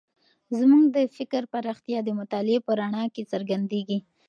زموږ د فکر پراختیا د مطالعې په رڼا کې څرګندېږي.